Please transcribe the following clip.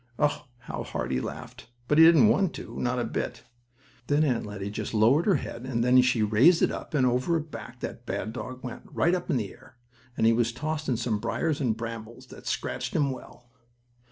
Oh, how hard he laughed! But he didn't want to, not a bit. Then Aunt Lettie just lowered her head, and then she raised it up, and over her back that bad dog went, right up in the air, and he was tossed in some briars and brambles that scratched him well.